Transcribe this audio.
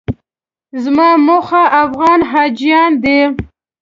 زما موخه افغان حاجیان دي.